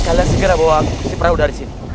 kalian segera bawa aku ke perahu dari sini